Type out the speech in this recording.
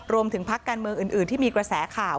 พักการเมืองอื่นที่มีกระแสข่าว